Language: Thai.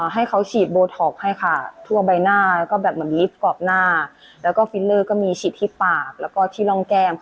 ให้เขาฉีดโบท็อกให้ค่ะทั่วใบหน้าแล้วก็แบบเหมือนลิฟต์กรอบหน้าแล้วก็ฟิลเลอร์ก็มีฉีดที่ปากแล้วก็ที่ร่องแก้ม